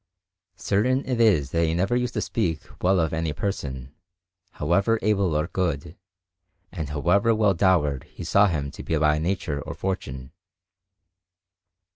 Certain it is that he never used to speak well of any person, however able or good, and however well dowered he saw him to be by Nature or Fortune.